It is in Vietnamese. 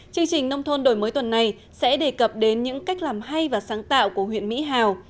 chương trình nông thôn đổi mới tuần này sẽ đề cập đến những cách làm hay và sáng tạo của huyện mỹ hào